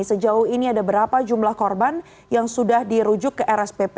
sejauh ini ada berapa jumlah korban yang sudah dirujuk ke rspp